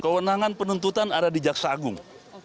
kewenangan penuntutan ada di jaksagung